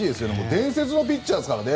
伝説のピッチャーですからね。